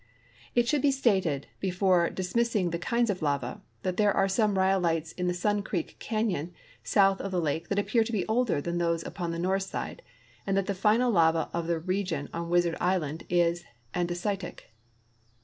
It should be stated, before dismissing the kinds of lava, that there are some rhyolites in the Sun Creek canyon south of the lake that appear to be older than those upon the north side, and that the final lava of the region on Wizard island is andesitic.